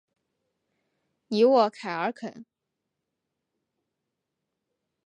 尼沃凯尔肯。